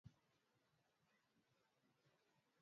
na mkutano huo vile vile huenda ulishughulikia suala hilo